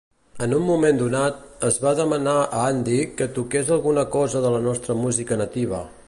En un moment donat, es va demanar a Handy que "toqués alguna cosa de la nostra música nativa".